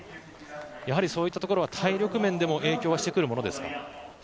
やはりそういったところは体力面でも影響してくるものですか。